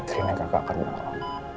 catherine yang kakak kandung kamu